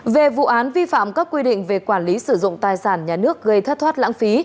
về vụ án vi phạm các quy định về quản lý sử dụng tài sản nhà nước gây thất thoát lãng phí